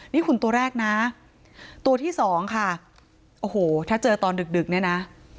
นี่หุ่นตัวแรกนะตัวที่สองค่ะโอ้โหถ้าเจอตอนดึกดึกเนี่ยนะ